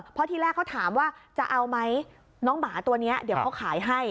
เพราะที่แรกเขาถามว่าจะเอาไหมน้องหมาตัวนี้เดี๋ยวเขาขายให้